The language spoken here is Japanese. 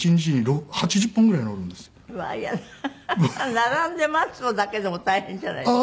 並んで待つのだけでも大変じゃないですか？